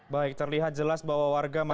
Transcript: baik terlihat jelas bahwa warga masyarakat